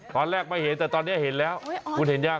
ตอนแรกไม่เห็นแต่ตอนนี้เห็นแล้วคุณเห็นยัง